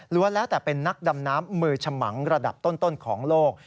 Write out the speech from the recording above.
แล้วแต่เป็นนักดำน้ำมือฉมังระดับต้นของโลก